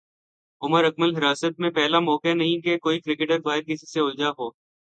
عمر اکمل حراست میںپہلا موقع نہیں کہ کوئی کرکٹر باہر کسی سے الجھا ہو